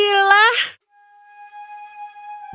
putri ailina ini adalah daganganku untukmu